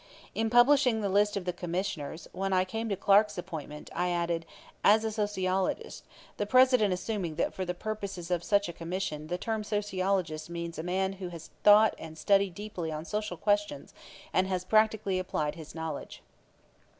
In publishing the list of the Commissioners, when I came to Clark's appointment, I added: "As a sociologist the President assuming that for the purposes of such a Commission, the term sociologist means a man who has thought and studied deeply on social questions and has practically applied his knowledge."